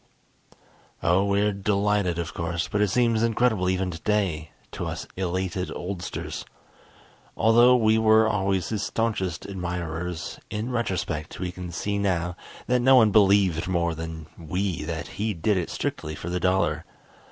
Oh, we're delighted of course, but it seems incredible even today to us elated oldsters. Although we were always his staunchest admirers, in retrospect we can see now that no one believed more than we that he did it strictly for the dollar.